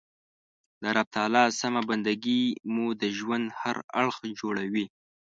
د رب تعالی سمه بنده ګي مو د ژوند هر اړخ جوړوي.